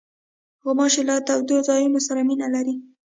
غوماشې له تودو ځایونو سره مینه لري.